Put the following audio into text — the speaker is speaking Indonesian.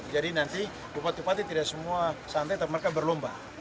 jadi nanti bupati bupati tidak semua santai tapi mereka berlomba